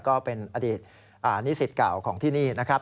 ก็เป็นอดีตนิสิตเก่าของที่นี่นะครับ